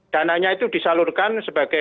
dananya itu disalurkan sebagai